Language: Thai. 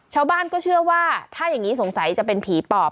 ชาวบ้านก็เชื่อว่าถ้าอย่างนี้สงสัยจะเป็นผีปอบ